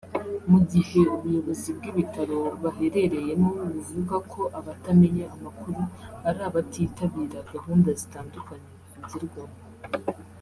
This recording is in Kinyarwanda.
mu gihe ubuyobozi bw’ibitaro baherereyemo buvuga ko abatamenya amakuru ari abatitabira gahunda zitandukanye bivugirwamo